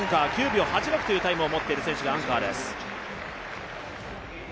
９秒８６というタイムを持っている選手がアンカーです。